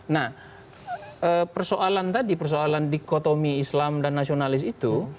nah persoalan tadi persoalan dikotomi islam dan nasionalis itu